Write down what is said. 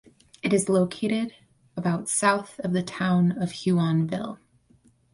It is located about south of the town of Huonville.